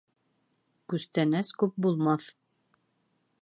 Күстәнәс күп булмаҫ.